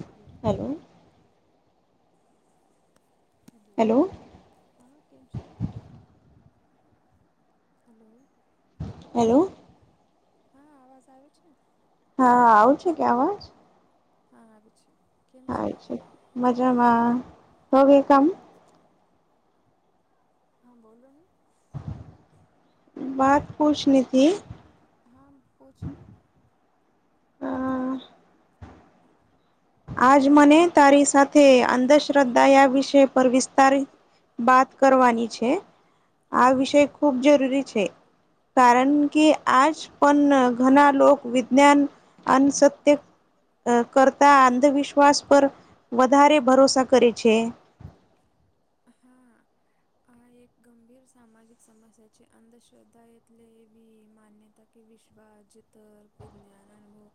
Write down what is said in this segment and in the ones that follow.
હાલો. Hello. Hello હા કેમ છો. હાલો. હલો. હા, આવાજ આવે છે? હા, આવું છે કે આવાજ? હા આવે છે. હા આવે છે. મજામાં. હવે કામ હા, બોલો ને. બાત પૂછની થી. હા, પૂછો ને. આજ મને તારી સાથે અંધશ્ર દ્ધા યા વિષય પર વિસ્તારી બાત કરવાની છે. આ વિષય ખૂબ જરૂરી છે. કારન કે આજ પન ઘણા લોક વિજ્ઞાન, અંધશ્ર તે કરતા અંધવિશ્વાસ પર વધારે ભરોસા કરે છે. હા આ એક ગંભીર સામાજિક સમસ્યા છે, અંધશ્રદ્ધા એટલે એવી માન્યતા કે વિશ્વાસ, જત વિજ્ઞાન અનુભવ.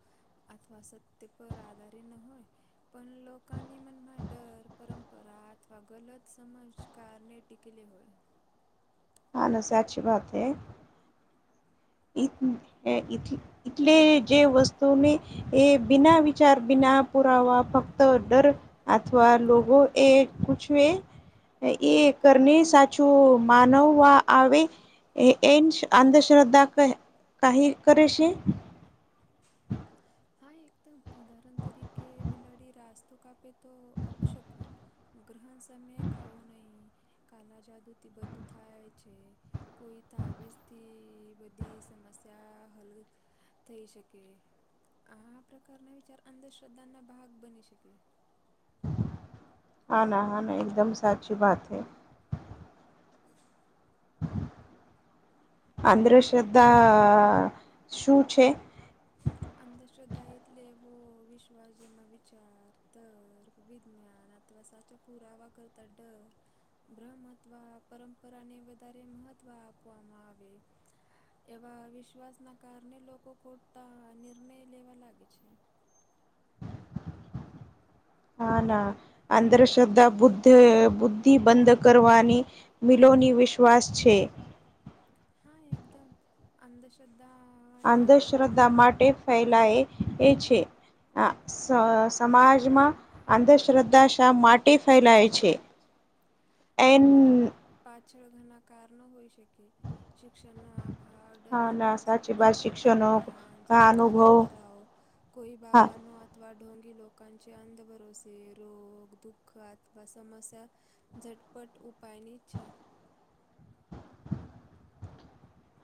અથવા સત્ય પર આધારી ન હોય. પન લોકાની મનમા ડર, પરંપરા અથવા ગલત. સમજકારને ટિકિલે હોય. હા ન સાચી વાત હે. ઈજ ને એ ઈત ઈટલે જે વસ્તુની એ બિના વિચાર, બિના પુરાવા ફક્ત ડર. અથવા લોગો એ કુછ વે એ કરને સાચું માનવવા આવે. એ એનસ અંધશ્રદ્ધા કહે કહી કરે સે. હા એકદમ. ઉદાહરણ તરીકે બિલાડી રાસ્તો કાપે તો અપશકુન. ગ્રહણ સમયે ખાવું નહીં. કાલા જાદુથી બધું થાય છે, કોઈ તાવીસથી બધી સમસ્ યા હલ થઈ શકે. આ પ્રક કારના વિચાર અંધશ્રદ્ધાના ભાગ બની શકે. હાના હાના એકદમ સાચી વાત હે. અંધશ્રદ્ધા શું છે? અંધશ્રદ્ધા એટલે વો વિશ્વાસ જેમાં વિચાર, તકૅ, વિજ્ઞાન આ ત્વ સાચા પુરાવા કરતા ડર. બ્રહ્મ અથવા પરંપરાને વધારે મહત્વ આપવામાં આવે. એવા વિશ્વાસના કારણે લોકો ખોટા નિર્ણય લેવા લાગે છે. હા, ના અંધ્રશ્રદ્ધા બુદ્ધ બુદ્ધિ બંધ કરવાની. મિલોની વિશ્વાસ છે. હા એકદમ અંધશ્રદ્ધા માટેે શા માટે? ફેલાય એ છે, આ સ સમાજ જ માં અંધશ્રદ્ધા શા માટે ફેલાય છે? એન પાછળ ઘના કારણો હોઈ શકે. શિક્ષણના અભાવ, ડર અને અસુરક્ષા, અજ્ઞાન જુની પરંપરાઓ. કોઈ બાબાનો અથવા ઢોગી લો. કન છે અંધ ભરોસે રોગ, દુઃખ અથવા સમસ્યા. ઝટપટ ઉપ ઉપાયનીચ્છા. [inaudible]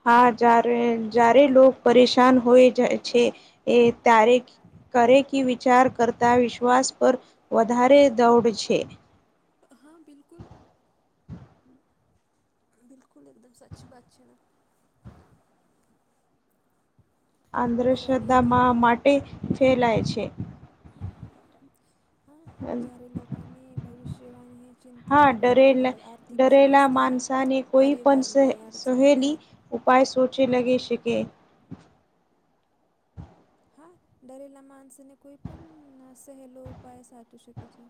હા જ્યારે જ્યારે લોકો પરેશાન હોય જાય છે એ ત્યારે. કરેકે વિચાર કરતા વિશ્વાસ પર વધારે દોડ છે. હા બિલકુલ. બિલકુલ એકદમ સાચી વાત છે, ને આંધ્રશ્રદ્ધામાં માટે ફેલાય છે. હા જ્યારે લોકોની ભવિષ્યવાણી ચિંતા બીમારી આર્થિક સમસ્યા. પરિવાર ની અડચણ હોય. ઉપાય સોચી લગી શકે. હા ડરેલા માણસને કોઈ પણ સહેલો ઉપાય સાચી શકે છે.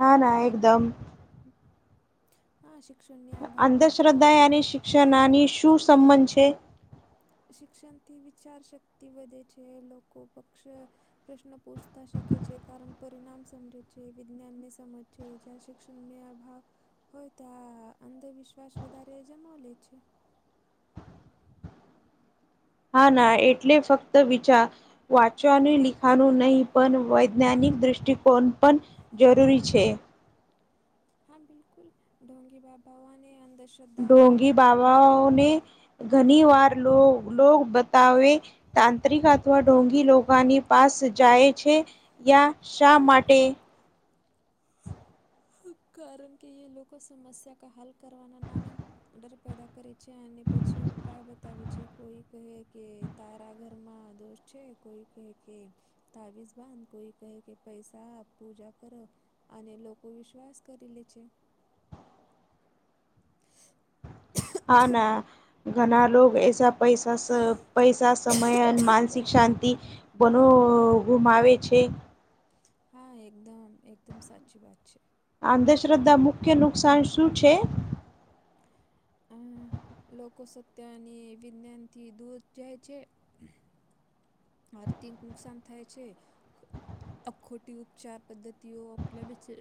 હા, ના એકદમ. હા, શિક્ષણની અભાવ અંધશ્રદ્ધા. નાની શું સંબંધ છે. શિક્ષણથી વિચારશક્તિ વધે છે, લોકો પક્ષે. પ્રશ્ન પૂછતા શીખે છે, કારણ પરિણામ સમજે છે, વિજ્ઞાનને સમજ. જે જ શિક્ષણની અભાવ. હોય તો આ અંધવિશ્વાસ વધારે જમા લે છે. હા ના એટલે ફક્ત વિચાર. વાંચવાનું લિખાનું નહીિ પણ વૈજ્ઞાનિક દ્રષ્ટિકોણ પણ. જરૂરી છે. હા બિલકુલ ઢોગી બા ભાવાને અંદર. ડોગી બાવાાઓને. ઘણી વાર લો બતાવે તાંત્રિક અથવા ઢગી. ની પાસ જાય છે યા શા માટે. કારણ કે એ લોકો સમસ્યા ક હલ કરવના નાામી ડર પેદા કરે છે અને પછી ઉપાય બતાવે છે કોઈ કહે કે તારા ઘરમાં દોસ્ત. છે કોઈ કહે કે તાવીજ બાંધ કોઈ કહે કે પૈસા આપ પૂજા કરો. અને લોકો વિશ્વાસ કરી લે છે. [inaudible] [unintelligible] હા ના ઘણા લોકો એસાા. પૈસા પૈસા સમય માનસિક શાંત. બનો ગુમાવે છે. હા એકદમ એકદમ સાચી વાત છે. આંધશ્રદ્ધા મુખ્ય નુકસાન શું છે. અ લોકો સત્યની વિજ્ઞાનથી દૂર જાય છે. આરતીક નુકસાન થાય છે. અખોટી ઉપચાર પદ્ધતિઓ આપલા બ છે.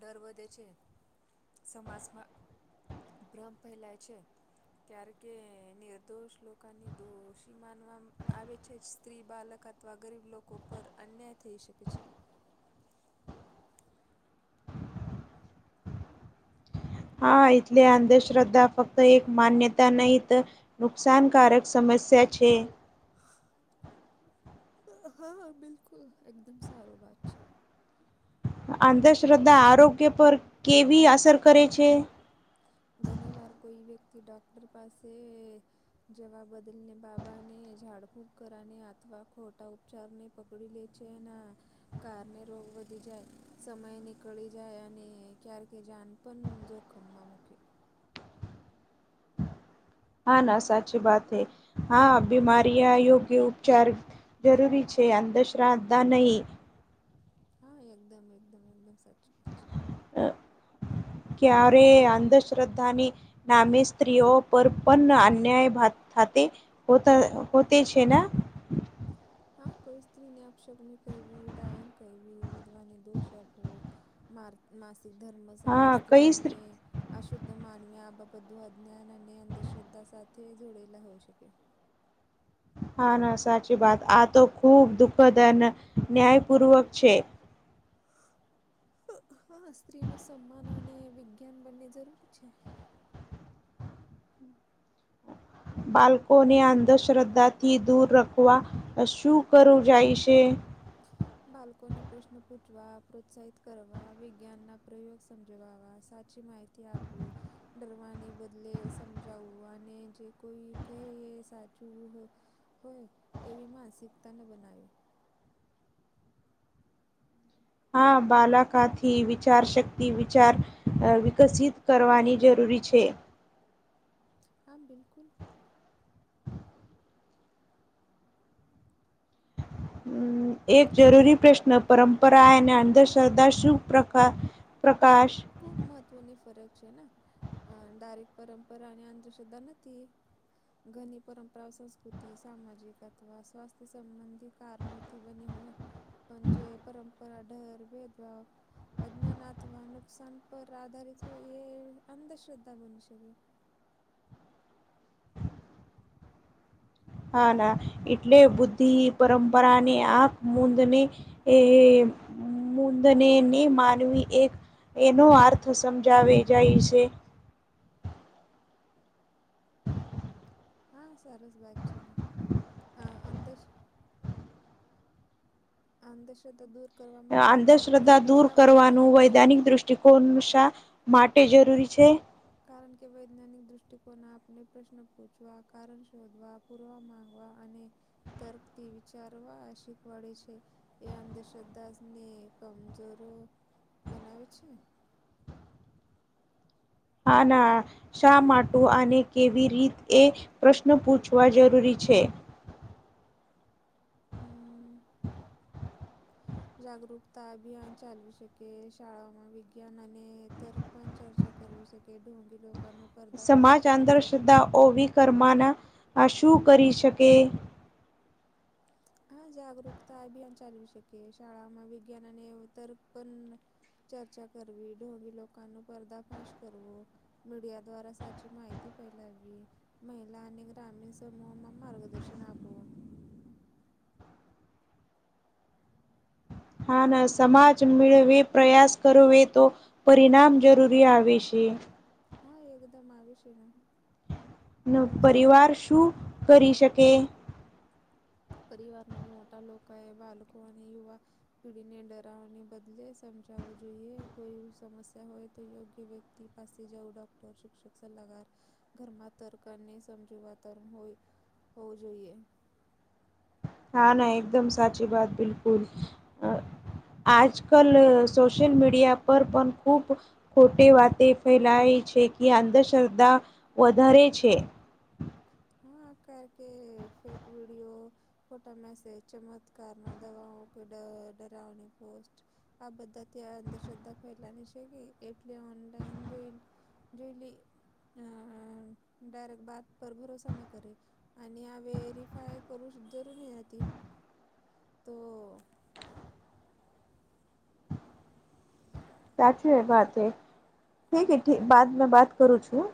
ડર વધે છે સમાજમાં ભ્રમ ફેલાય છે. ક્યારેકે નિર્દોષ લોકોને દોષી માનવા આવે છે. જે જ સ્ત્રી બાલક અથવા ગરીબ લોકો પર અન્યાય થઈ શકે છે. હા એટલે અંધશ્રદ્ધા ફક્ત એક માન્યતા નહી તો. નુકસાનકારક સમસ્યા છે. હા બિલકુલ એકદમ સારો વાત છે. અંધશ્રદ્ધા આરોગ્ય પર કેવી અસર કરે છે. ઘણી વાર કોઈ વ્યક્તિ ડોક્ટર પાસે જવા બદલને બાબાને ઝાડફૂક કરાને આથવા ખોટા ઉપર ચારને પકડી લે છે અને કારણે રોગ વધી જાય સમયની કળી જાય અને ક્યારેકે જાન પણ જોખમમાં મૂકી. હા, ના, સાચી બાત હૈ. હા, બીમારી આ યોગ્ય ઉપચાર જરૂરી છે, અંધશ્રાદ્ધા નહીં. હા, એકદમ, એકદમ, એકદમ સાચું. કિયારે અંધશ્રદ્ધાની. નામે સ્ત્રીઓ પર પણ અન્યાય થતે હોતા હોતે છે ને! હા કોઈ સ્ત્રીને અપશકને કહેવી ડાયન કહેવી વિધવાને દોષ આપવો. મા માસિક ધર્મ સમયે સ્ત્રીને અશુદ્ધ માનવી આ બા બધું અજ્ઞાન અને અંધશ્રદ્ધા સાથે જોડેલા હોઈ શકે હા ના સાચી બાત આ તો ખૂબ દુઃખદ અને ન્યાયપૂર્વક છે. હા સ્ત્રી નુ સન્માન અને વિજ્ઞાન બંને જરૂરી છે. બાળકોને અંધશ્રદ્ધાથી દૂર રાખવા શું કરવું જાય છે. બાળકોને પ્રશ્ન પૂછવા પ્રોત્સાહિત કરવા વિજ્ઞાનના પ્રયોગ સમજાવવા સાચી માહિતી તી આપવી. ડરવાની બદલે સમજાવવું અને જે કોઈ કહે એ સાચું હોય એવી માનસિકતા ન બનાવી હમ હા, બાળકાથી વિચાર શક્તિ વિચાર વિકસિત કરવાની જરૂરી છે. હા, બિલકુલ. હ, એક જરૂરી પ્રશ્ન. પરંપરા એ અને અંધશ્રદ્ધા શું? પ્રકાશ. ખૂબ મહત્વની ફરક છે, અ દારીક પરંપરા અને અંધશ્રદ્ધા નથી. ઘણી પરંપરાઓ સંસ્કૃતિ, સામાજિક અથવા સ્વાસ્થ્ય સંબંધિત કારણોથી બની હોય. પજે પરંપરા ભેદભાવ, અજ્ઞાાનથવાનું. નુકસાન પર આધારિત હોય, એ અંધશ્રદ્ધા બની શકે. હા, ના એટલે બુદ્ધિ, પરંપરા ને આંખ મૂદને અ મુદનેની માનવી એક એનો અર્થ સમજાવે જાય છે. હા, સરસ વાત છે. આ અંધશ્રદ્ધા આ અંધશ્રદ્ધા તો અંધશ્ર્ધા દૂર કરવાનું હોય, વૈજ્ઞાનિક દ્રષ્ટિ ત્રિકોણ શા માટે જરૂરી છે? કારણ કે વૈજ્ઞાનિક દૃષ્ટિકોણ આપને પ્રશ્ન પૂછવા, કારણ શોધવા પૂરવા માંગવા અને તર્કથી વિચારવા આશીકવાળે છે. એ અંધશ્રદ્ધા તમને કમજોર બનાવે છે? હા, ના શા માટે? આને કેવી રીત એ પ્રશ્ન પૂછવા જરૂરી છે. હ. [unintelligible] જાગૃકતા અભિયાન ચાલવી શકે, શાળાઓમાં વિજ્ઞાન અને તક પણ ચર્ચા કરવી શકે, ધોગી લોકોનો સમાજ અંધશ્રદ્ધાઓ ઓવી કરવાના આ શું કરી શકે? હા, જાગૃકતા અભિયાન ચાલી શકે, શાળામાં વિજ્ઞાન અને તક્ર પણ ચર્ચા કરવી, ઢોંગી લોકો નો પર્દાફાશ કરવો. મીડિયા દ્વારા સાચી માહિતી ફહેલાવી. મહિલા અને ગ્રામીણ સમૂહમાં માર્ગદર્શન આપો. હા, ના સમાજ મેળવે પ્રયાસ કરવે તો પરિણામ જરૂરી આવે છે. હા, એકદમ આવી છે ને. ન પરિવાર શું કરી શકે? પરિવારના મોટા લોકો એ બાળકો અને યુવા પીડીીને ડરાવવાને બદલે સમજાવવું જોઈએ કોઈ સમસ્યા હોય તો યોગ્ય વ્યક્તિ ત પાસે જાઉ ડોક્ટર શિક્ષક સલાહકાર [inaudible] ઘરમાં તર્ક અને સમજુ વાતાવરણ હોય હોવું જોઈએ હા, ના એકદમ સાચી વાત, બિલકુલ. આજ કલ સોશિયલ મીડિયા પર પણ ખુબ ખોટી વાતે ફેલાય છે, કે અંધશ્રદ્ધા વધારે છે. હા, કારણ કે ફેક વિડિયો. ફોટા મેસેજ, ચમત્કારના દવાઓ કે ડરાવનીપોસ્ટ આ બધા ત્યાં અંધશ્રદ્ધા ફેલાની છે કે, એટલે ઓનલાઈન જોઈ. જુલી અ ડાયરેક્ટ વાત પર ભરોસો કરે, આ વેરીફાય કરવું જરૂરી છે. [unintelligible] તો [unintelligible] [inaudible] સાચવી વાત. એ ઠીક છેઠીક બાદ મે બાત કરું છું.